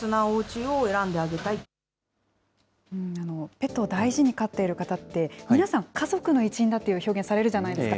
ペットを大事に飼っている方って、皆さん、家族の一員だという表現されるじゃないですか。